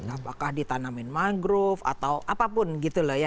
apakah ditanamin mangrove atau apapun gitu loh ya